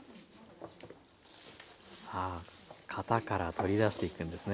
さあ型から取り出していくんですね。